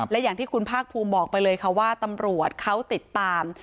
และอย่างที่คุณภาคภูมิบอกไปเลยค่ะว่าตำรวจเขาติดตาม